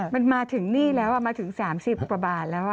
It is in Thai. มันมาถึงนี่แล้วอ่ะมาถึง๓๐ประบาทแล้วอ่ะ